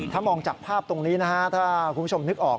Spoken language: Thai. ถ้ามองจากภาพตรงนี้นะฮะถ้าคุณผู้ชมนึกออก